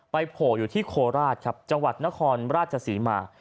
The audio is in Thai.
ไปโผล่อยู่ที่โคลาสจังหวัดนครราชศรีมา